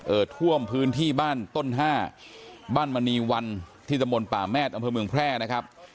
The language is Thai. เอ่อท่วมพื้นที่บ้านต้นห้าบ้านมณีวันที่ตำบลป่าแม่ตำบลเมืองแพร่นะครับ